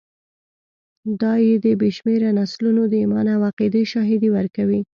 دا د بې شمېره نسلونو د ایمان او عقیدې شاهدي ورکوي.